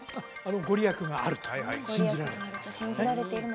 御利益があると信じられています